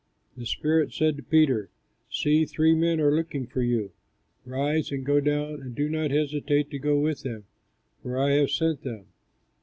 The Spirit said to Peter, "See, three men are looking for you. Rise and go down, and do not hesitate to go with them; for I have sent them."